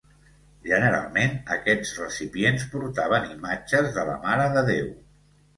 Generalment aquests recipients portaven imatges de la Mare de Déu.